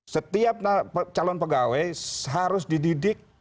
setiap calon pegawai harus dididik